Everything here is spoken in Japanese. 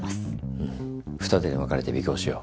うん二手に分かれて尾行しよう。